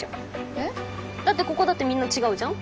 へっ？だってここだってみんな違うじゃん。